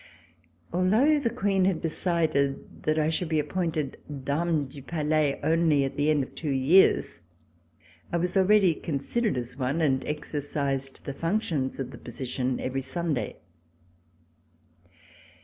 Although the Queen had decided that I should be appointed Dame du Palais, only at the end of two years, I was already considered as one, and exercised the functions of the position every Sunday.